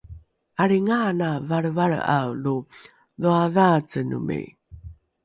’alringaana valrevalre’ae lo dhoadhaacenomi